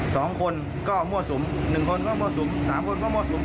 สองคนก็มั่วสุมหนึ่งคนก็มั่วสุมสามคนก็มั่วสุม